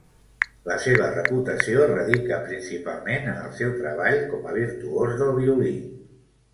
La seva reputació radica principalment en el seu treball com a virtuós del violí.